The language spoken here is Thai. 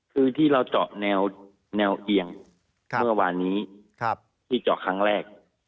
คือที่เราเจาะแนวเอียงเมื่อวานนี้ที่เจาะครั้งแรก